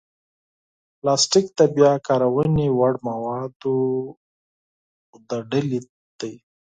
پلاستيک د بیا کارونې وړ موادو له ډلې دی.